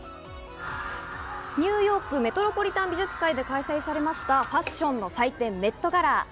ニューヨーク・メトロポリタン美術館で開催されました、ファッションの祭典・メットガラ。